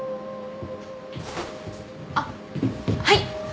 あっはい。